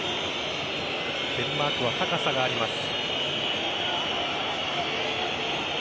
デンマークは高さがあります。